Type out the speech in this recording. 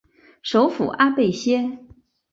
首府阿贝歇。